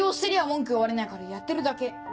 文句言われないからやってるだけ。